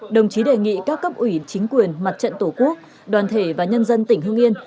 đồng chí đề nghị các cấp ủy chính quyền mặt trận tổ quốc đoàn thể và nhân dân tỉnh hương yên